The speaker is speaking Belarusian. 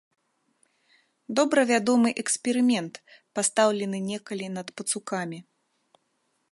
Добра вядомы эксперымент, пастаўлены некалі над пацукамі.